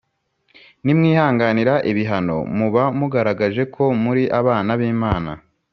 Ni mwihanganira ibihano, muba mugaragaje ko muri abana b'Imana.